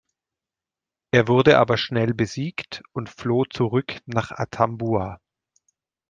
Er wurde aber schnell besiegt und floh zurück nach Atambua.